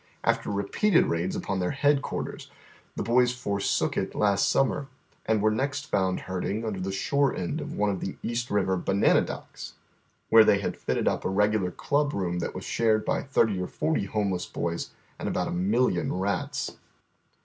After repeated raids upon their headquarters, the boys forsook it last summer, and were next fonnd herding under the shore end of one of the East Kiver banana docks, where tliey had fitted np a I'eg ular club room that was shared by thirty or forty home less boys and about a million rats.